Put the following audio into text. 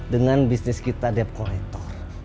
dengan bisnis kita dep kolektor